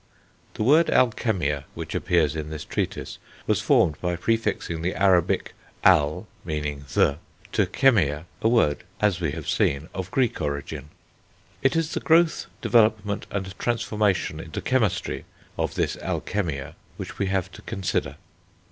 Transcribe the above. The word alchemia which appears in this treatise, was formed by prefixing the Arabic al (meaning the) to chemia, a word, as we have seen, of Greek origin. It is the growth, development, and transformation into chemistry, of this alchemia which we have to consider.